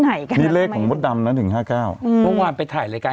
ไหนกันนี่เลขของมดดำนะหนึ่งห้าเก้าอืมทุกวันไปถ่ายรายการ